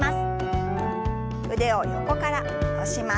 腕を横から下ろします。